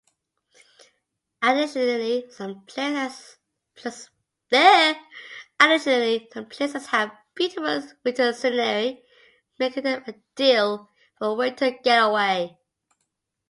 Additionally, some places have beautiful winter scenery, making them ideal for a winter getaway.